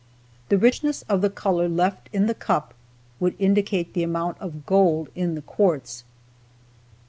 The richness of the color left in the cup would indicate the amount of gold in the quartz.